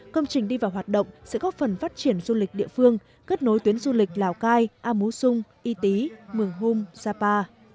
công trình đi vào hoạt động sẽ góp phần phát triển du lịch địa phương kết nối tuyến du lịch lào cai a mú sung y tý mường hung sapa